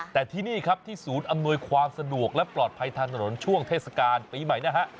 แต่ที่นี่ครับที่ศูนย์อำนวยความสะดวกและปลอดภัยทางถนนช่วงเทศกาลปีใหม่นะฮะ